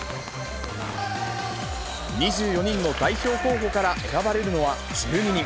２４人の代表候補から選ばれるのは１２人。